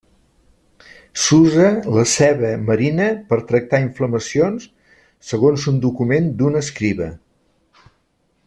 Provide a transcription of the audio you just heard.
S'usa la ceba marina per tractar inflamacions, segons un document d'un escriba.